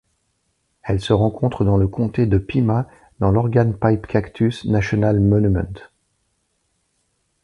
Elle se rencontre dans le comté de Pima dans l'Organ Pipe Cactus National Monument.